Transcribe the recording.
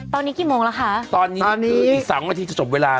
ตอนนี้กี่โมงแล้วคะตอนนี้คืออีกสามนาทีจะจบเวลา